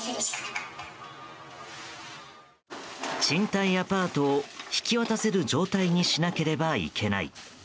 賃貸アパートを引き渡せる状態にしなければいけない。